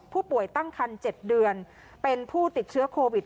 ผู้ป่วยตั้งคัน๗เดือนเป็นผู้ติดเชื้อโควิด